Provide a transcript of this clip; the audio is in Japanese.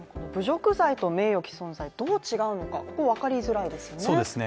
侮辱罪と名誉毀損罪、どう違うのか分かりづらいですよね。